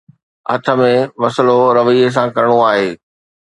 هٿ ۾ مسئلو رويي سان ڪرڻو آهي.